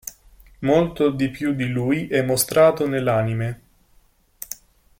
Molto di più di lui è mostrato nell'anime.